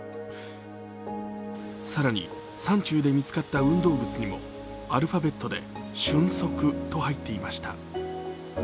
更に、山中で見つかった運動靴にもアルファベットで「ＳＹＵＮＳＯＫＵ」と入っていました。